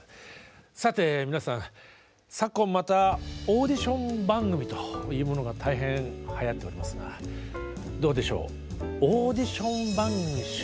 さて皆さん昨今またオーディション番組というものが大変はやっておりますがどうでしょう。